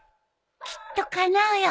きっとかなうよ。